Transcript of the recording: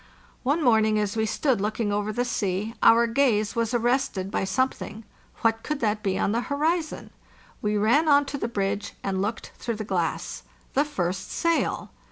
One morning, as we stood looking over the sea, our gaze was arrested by some thing; what could that be on the horizon? We ran on to the bridge and looked through the glass. The first sail.